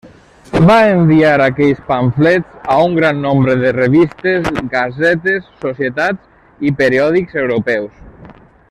Va enviar aquells pamflets a un gran nombre de revistes, gasetes, societats i periòdics europeus.